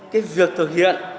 cái việc thực hiện